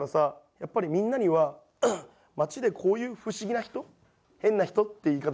やっぱりみんなには街でこういう不思議な人変な人って言い方